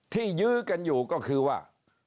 ยื้อกันอยู่ก็คือว่า